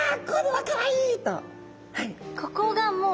はい。